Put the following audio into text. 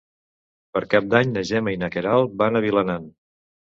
Per Cap d'Any na Gemma i na Queralt van a Vilanant.